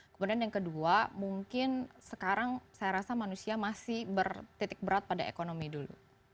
kemudian yang kedua mungkin sekarang saya rasa manusia masih bertitik berat pada ekonomi dulu